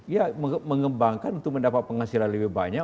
ya mengembangkan untuk mendapat penghasilan lebih banyak